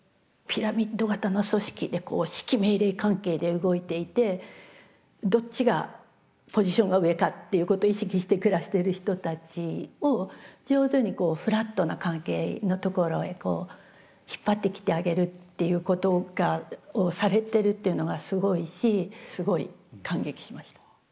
ピラミッド型の組織で指揮命令関係で動いていてどっちがポジションが上かっていうことを意識して暮らしてる人たちを上手にフラットな関係のところへ引っ張ってきてあげるっていうことをされてるっていうのがすごいしすごい感激しました。